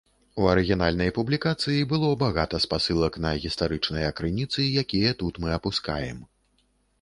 У арыгінальнай публікацыі было багата спасылак на гістарычныя крыніцы, якія тут мы апускаем.